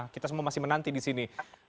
kita semua masih menanti di sini